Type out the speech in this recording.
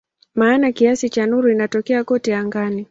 Maana kiasi cha nuru inatokea kote angani.